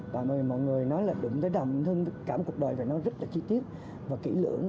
và mọi người nói là đụng tới đàm hưng cảm cuộc đời của nó rất là chi tiết và kỹ lưỡng